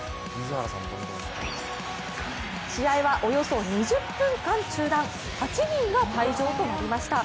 試合は、およそ２０分間中断８人が退場となりました。